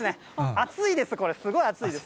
熱いです、これ、すごい熱いです。